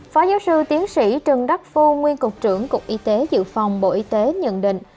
phó giáo sư tiến sĩ trần đắc phu nguyên cục trưởng cục y tế dự phòng bộ y tế nhận định